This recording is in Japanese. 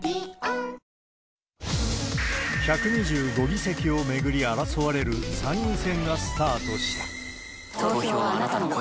１２５議席を巡り争われる参院選がスタートした。